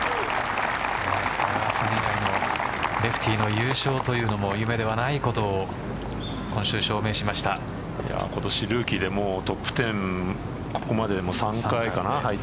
レフティーの優勝というのも夢ではないことを今年ルーキーでトップ１０ここまで３回かな。